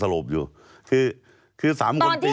รู้ทุกคนรู้ว่ายังไม่ตาย